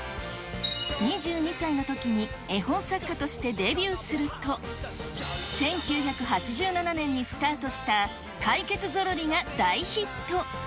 ２２歳のときに絵本作家としてデビューすると、１９８７年にスタートしたかいけつゾロリが大ヒット。